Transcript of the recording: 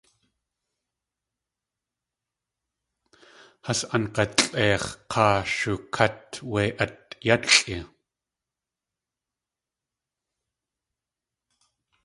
Has ang̲alʼeix̲ k̲aa shukát wé atyátxʼi.